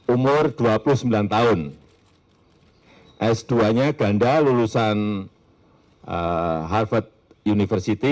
umur dua puluh sembilan tahun s dua nya ganda lulusan harvard university